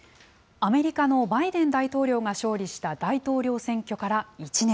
アメリカのバイデン大統領が勝利した大統領選挙から１年。